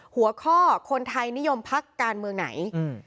หัวข้อคนไทยนิยมพักการเมืองไหน